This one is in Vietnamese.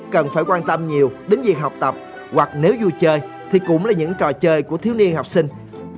cần phải quan tâm nhiều đến việc học tập hoặc nếu vui chơi thì cũng là những trò chơi của thiếu niên học sinh